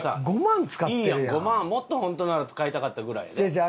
もっと本当なら使いたかったぐらい。